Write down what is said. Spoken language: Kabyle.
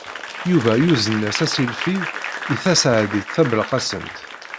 Yuba yuzen-as asilfi i Taseɛdit Tabelqasemt.